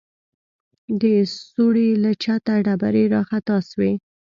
د سوړې له چته ډبرې راخطا سوې.